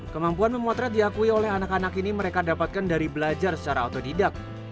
kemampuan memotret diakui oleh anak anak ini mereka dapatkan dari belajar secara otodidak